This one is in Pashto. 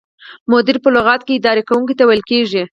مدیر په لغت کې اداره کوونکي ته ویل کیږي.